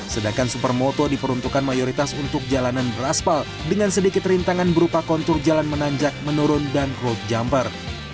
sedangkan supermoto diperuntukkan mayoritas untuk jalanan beraspal dengan sedikit rintangan berupa kontur jalan menanjak menurun dan road jumper